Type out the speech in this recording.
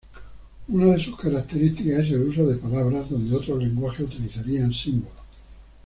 Una de sus características es el uso de palabras donde otros lenguajes utilizarían símbolos.